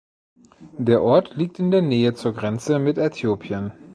Der Ort liegt in der Nähe zur Grenze mit Äthiopien.